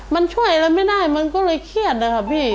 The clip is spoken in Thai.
มันช่วยอะไรไม่ได้มันก็เลยเครียดนะคะพี่